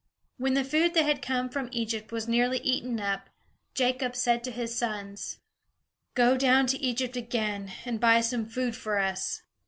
When the food that had come from Egypt was nearly eaten up, Jacob said to his sons: "Go down to Egypt again, and buy some food for us."